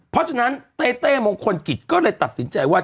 เพราะฉะนั้นเต้เต้มงคลกิจก็เลยตัดสินใจว่า